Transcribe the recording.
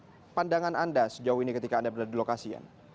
apa pandangan anda sejauh ini ketika anda berada di lokasi